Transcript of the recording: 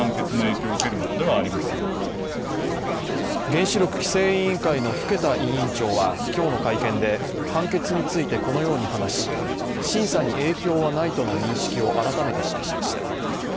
原子力規制委員会の更田委員長は今日の会見で判決についてこのように話し審査に影響はないとの認識を改めて示しました。